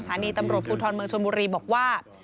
สถานีตำรวจภูทรเมืองชนบุรีบอกว่า